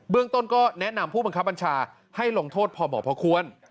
เรื่องต้นก็แนะนำผู้บังคับบัญชาให้ลงโทษพอเหมาะพอควร